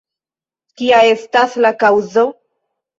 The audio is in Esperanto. Kia estas la kaŭzo?